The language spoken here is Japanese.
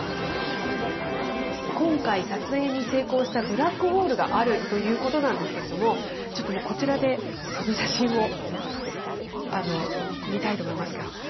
今回、撮影に成功したブラックホールがあるということなんですけれども、ちょっとこちらで、その写真を見たいと思いますが。